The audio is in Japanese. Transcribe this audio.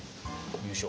よいしょ。